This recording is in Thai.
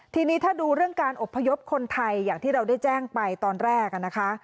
ทีนี้ถ้าดูเรื่องการอบพยพคนไทยอย่างที่เราได้แจ้งไปตอนแรกนะคะ